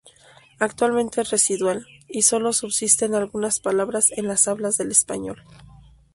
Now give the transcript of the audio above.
Actualmente es residual, y sólo subsisten algunas palabras en las hablas del español.